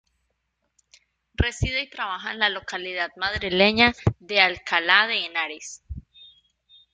Reside y trabaja en la localidad madrileña de Alcalá de Henares.